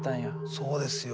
そうですよ。